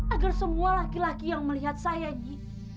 agar semua laki laki yang melihat saya ini